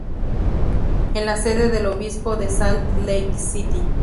Es la sede del obispo de Salt Lake City.